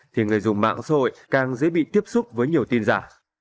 thì người dùng mạng xã hội càng dễ bị tiếp xúc với nhiều tin giả